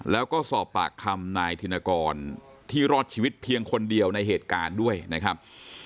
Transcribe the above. แล้วก็สอบปากคำนายธินกรที่รอดชีวิตเพียงคนเดียวในเหตุการณ์ด้วยนะครับ